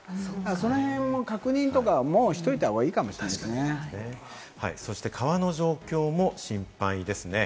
その辺も確認とかもしておいた方がいいかもしれな川の状況も心配ですね。